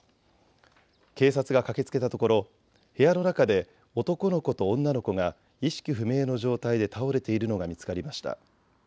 警察が駆けつけたところ部屋の中で男の子と女の子が意識不明の状態で倒れているのが見つかりました。